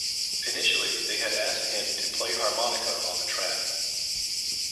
Initially they had asked him to play harmonica on the track.